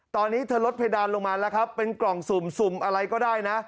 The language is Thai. ตอนนี้เธอลดเพดานลงมาแล้วครับเป็นกล่องสุ่มสุ่มอะไรก็ได้นะ